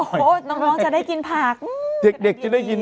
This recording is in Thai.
โอ้โหน้องจะได้กินผักเด็กเด็กจะได้ยิน